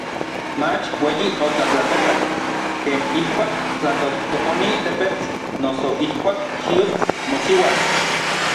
mach ueyi otlatlatoka, ken ijkuak tlatojtoponi tepetl noso ijkuak xiutl mochiua.